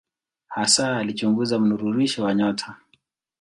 Hasa alichunguza mnururisho wa nyota.